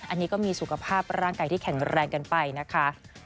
อันนี้ก็มีสุขภาพร่างกายที่แข็งแรงกันไปนะคะ